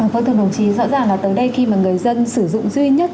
vâng thưa đồng chí rõ ràng là tới đây khi mà người dân sử dụng duy nhất